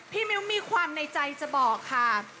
มิ้วมีความในใจจะบอกค่ะ